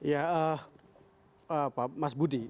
ya pak mas budi